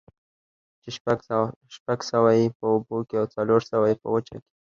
چې شپږ سوه ئې په اوبو كي او څلور سوه ئې په وچه كي